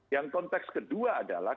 yang konteks kedua adalah